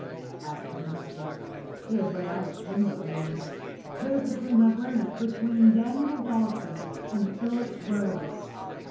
asked the minister. He had read out a string of names. "Those between my grand between Daniel Dolphin and Phyllis Rose."